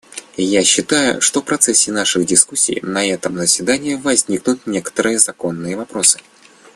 Я считаю, что в процессе наших дискуссий на этом заседании возникнут некоторые законные вопросы.